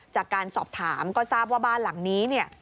จากการสอบถามก็ทราบว่าบ้านหลังนี้เนี่ย